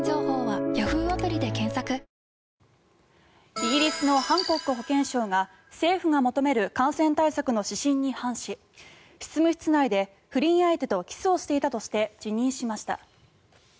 イギリスのハンコック保健相が政府が求める感染対策の指針に反し執務室内で不倫相手とキスをしていたとして辞任しました。